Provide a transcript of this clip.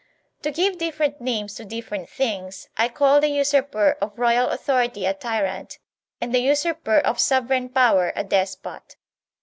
To give different names to different things, I call the usurper of royal authority a tyrant, and the usurper of sovereign power a despot.